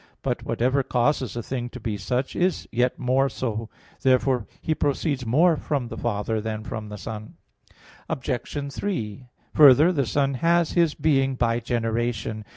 But "whatever causes a thing to be such is yet more so." Therefore He proceeds more from the Father than from the Son. Obj. 3: Further, the Son has His being by generation.